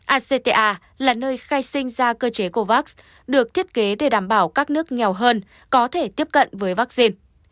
acta là nơi khai sinh ra cơ chế covax được thiết kế để đảm bảo các nước nghèo hơn có thể tiếp cận với vaccine